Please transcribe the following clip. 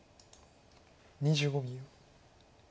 ２５秒。